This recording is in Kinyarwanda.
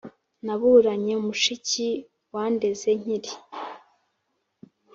Naburanye mushiki wandeze nkiri